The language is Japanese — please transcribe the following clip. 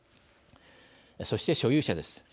そして所有者です。